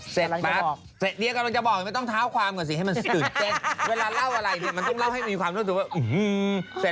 เสร็จเดียกำลังจะบอกไม่ต้องเท้าความก่อนสิให้มันตื่นเต้นเวลาเล่าอะไรเนี่ยมันต้องเล่าให้มีความรู้สึกว่าอื้อหือเสร็จ